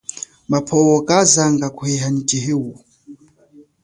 Mapwo kazanga kuheha nyi tshiheu.